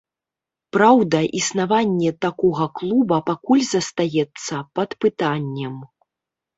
Праўда, існаванне такога клуба пакуль застаецца пад пытаннем.